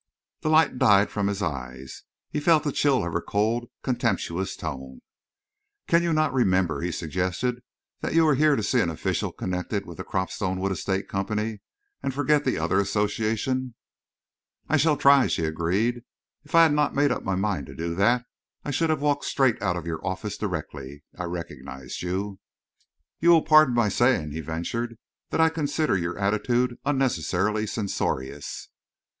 The light died from his eyes. He felt the chill of her cold, contemptuous tone. "Can you not remember," he suggested, "that you are here to see an official connected with the Cropstone Wood Estates Company and forget the other association?" "I shall try," she agreed. "If I had not made up my mind to do that, I should have walked straight out of your office directly I recognised you." "You will pardon my saying," he ventured, "that I consider your attitude unnecessarily censorious."